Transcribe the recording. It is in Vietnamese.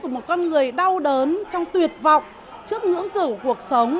chết của một con người đau đớn trong tuyệt vọng trước ngưỡng cửa của cuộc sống